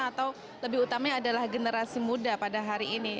atau lebih utamanya adalah generasi muda pada hari ini